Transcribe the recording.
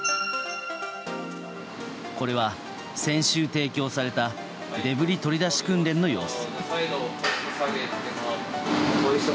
これは、先週提供されたデブリ取り出し訓練の様子。